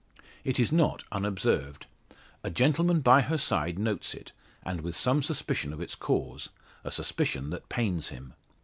It is not unobserved. A gentleman by her side notes it, and with some suspicion of its cause a suspicion that pains him.